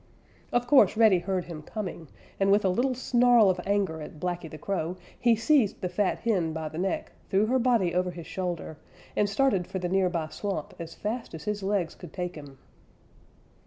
Of course Reddy heard him coming, and with a little snarl of anger at Blacky the Crow, he seized the fat hen by the neck, threw her body over his shoulder, and started for the near by swamp as fast as his legs could take him.